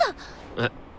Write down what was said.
えっ！